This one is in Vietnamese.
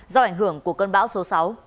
do ảnh hưởng của cơn bão số sáu